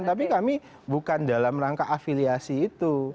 tapi kami bukan dalam rangka afiliasi itu